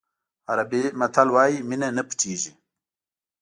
عربي متل وایي مینه نه پټېږي.